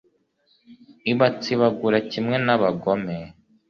ibatsibagura kimwe n'abagome